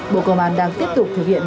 bộ công an đang tiếp tục thực hiện